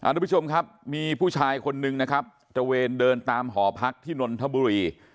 ทุกผู้ชมครับมีผู้ชายคนนึงนะครับตระเวนเดินตามหอพักที่นนทบุรี